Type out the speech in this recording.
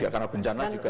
karena bencana juga